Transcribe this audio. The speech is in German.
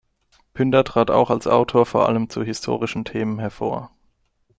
Pünder trat auch als Autor vor allem zu historischen Themen hervor.